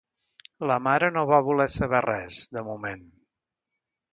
La mare no va voler saber res, de moment.